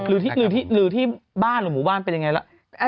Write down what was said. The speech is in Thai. หรือที่บ้านหรือหมู่บ้านเป็นยังไงล่ะ